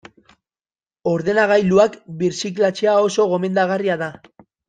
Ordenagailuak birziklatzea oso gomendagarria da.